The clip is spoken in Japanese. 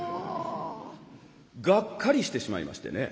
がっかりしてしまいましてね。